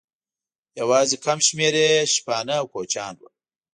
یواځې کم شمېر یې شپانه او کوچیان وو.